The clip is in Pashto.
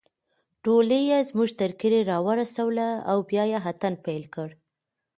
ډولۍ يې زموږ تر کلي راورسوله او بیا يې اتڼ پیل کړ